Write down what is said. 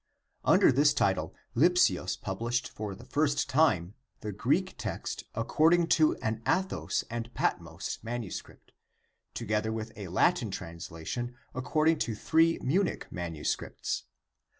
Under this title Lipsius published for the first time (Acta Apocrypha, I, 102 117) the Greek text according to an Athos and Patmos manuscript, together with a Latin translation according to three Alunich manuscripts.